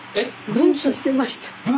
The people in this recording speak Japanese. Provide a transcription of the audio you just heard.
文通してました。